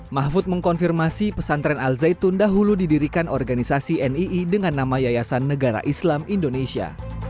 mahfud mengkonfirmasi pesantren al zaitun dahulu didirikan organisasi nii dengan nama yayasan negara islam indonesia